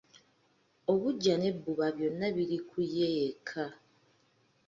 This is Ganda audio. Obuggya n'ebbuba byonna biri ku ye yekka.